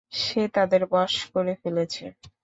সে তাদের বঁশ করে ফেলেছে।